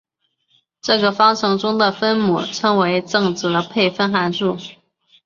这个方程中的分母称为正则配分函数。